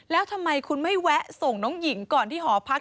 แล้วทำไมคุณไม่แวะส่งน้องหญิงก่อนที่หอพัก